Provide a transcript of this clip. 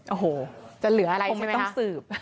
โอ้โหจะเหลืออะไรคงไม่ต้องสืบ